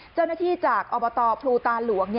เจ้าหน้าที่จากอบตพลูตาหลวง